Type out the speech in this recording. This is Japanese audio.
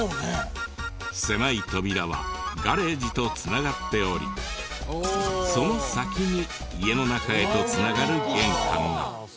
狭い扉はガレージと繋がっておりその先に家の中へと繋がる玄関が。